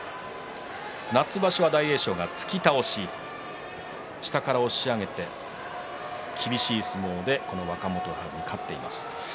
夏場所は大栄翔が突き倒し下から押し上げて厳しい攻めで若元春に勝っています。